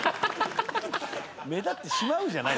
「目立ってしまう」じゃない。